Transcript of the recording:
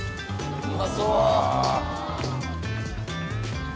うまそう！